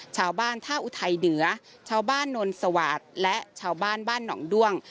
ชาวบ้านท่าอุทัยเหนือชาวบ้านนนสวาสตร์และชาวบ้านบ้านหนองด้วง